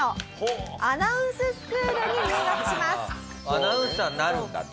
アナウンサーになるんだと。